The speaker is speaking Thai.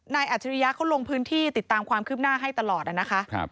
อัจฉริยะเขาลงพื้นที่ติดตามความคืบหน้าให้ตลอดนะคะ